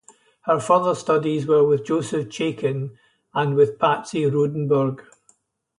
Her further studies were with Joseph Chaikin and with Patsy Rodenburg.